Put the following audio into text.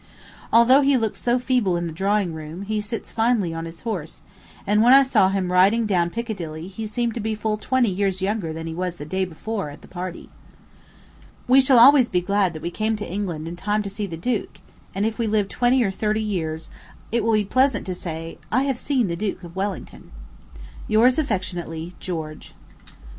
Although he looks so feeble in the drawing room, he sits finely on his horse; and when I saw him riding down Piccadilly, he seemed to be full twenty years younger than he was the day before at the party. We shall always be glad that we came to England in time to see "the duke," and if we live twenty or thirty years, it will be pleasant to say "I have seen the Duke of Wellington." Yours affectionately, GEORGE.